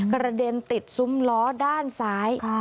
กระเด็นติดซุ้มล้อด้านซ้าย